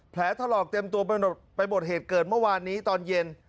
แผลถลอกเต็มตัวไปหมดเหตุเกิดเมื่อวานนี้ตอนเย็น